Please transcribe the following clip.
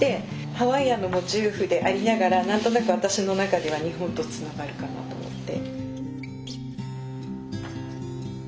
ハワイアンのモチーフでありながら何となく私の中では日本とつながるかなと思って。